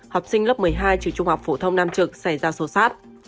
học sinh lớp một mươi hai trường trung học phổ thông nam trực xảy ra sổ sát